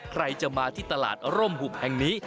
ใครจะมาที่ตลาดร่มหุบแห่งนี้